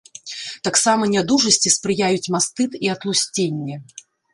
Таксама нядужасці спрыяюць мастыт і атлусценне.